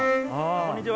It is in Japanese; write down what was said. こんにちは。